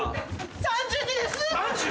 ３２です！